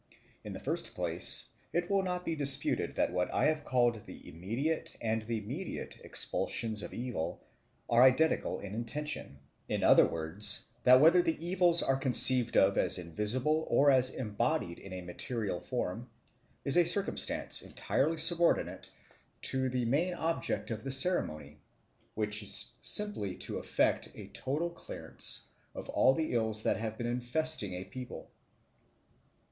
In the first place, it will not be disputed that what I have called the immediate and the mediate expulsions of evil are identical in intention; in other words, that whether the evils are conceived of as invisible or as embodied in a material form, is a circumstance entirely subordinate to the main object of the ceremony, which is simply to effect a total clearance of all the ills that have been infesting a people.